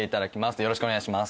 よろしくお願いします